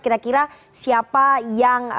kira kira siapa yang